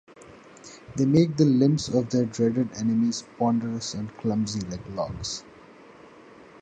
They make the limbs of their dreaded enemies ponderous and clumsy like logs.